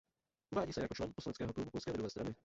Uvádí se jako člen poslaneckého klubu Polské lidové strany.